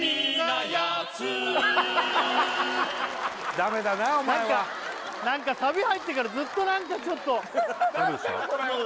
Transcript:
ダメだなお前は何か何かサビ入ってからずっと何かちょっとダメでした？